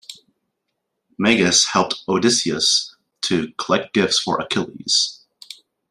Meges helped Odysseus to collect gifts for Achilles.